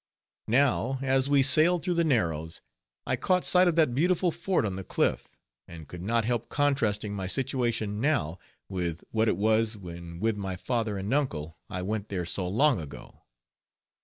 Now, as we sailed through the Narrows, I caught sight of that beautiful fort on the cliff, and could not help contrasting my situation now, with what it was when with my father and uncle I went there so long ago.